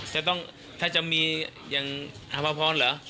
จะต้องถ้าจะมีอย่างอภพรเหรอ